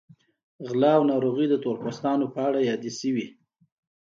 غلا او ناروغۍ د تور پوستانو په اړه یادې شوې.